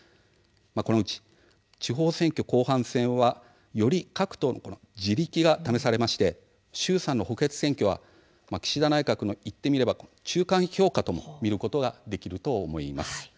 このうち地方選挙後半戦はより各党の地力が試されまして衆参の補欠選挙は岸田内閣の言ってみれば中間評価とも見ることができると思います。